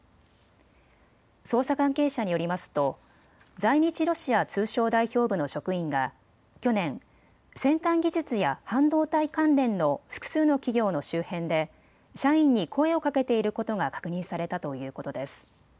捜査関係者によりますと在日ロシア通商代表部の職員が去年、先端技術や半導体関連の複数の企業の周辺で社員に声をかけていることが確認されたということです。